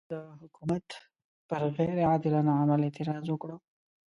د حکومت پر غیر عادلانه عمل اعتراض وکړو.